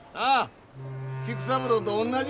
菊三郎とおんなじ目ぇや！